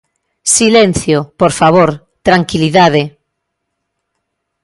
Silencio, por favor, tranquilidade.